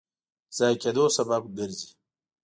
ضایع کېدو سبب ګرځي.